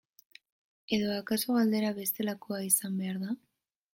Edo akaso galdera bestelakoa izan behar da.